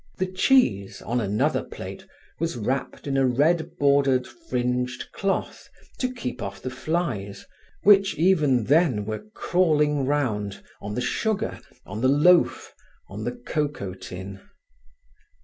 The cheese, on another plate, was wrapped in a red bordered, fringed cloth, to keep off the flies, which even then were crawling round, on the sugar, on the loaf, on the cocoa tin.